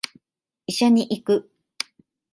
医者に行く